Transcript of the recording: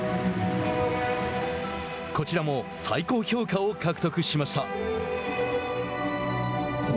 こちらも最高評価を獲得しました。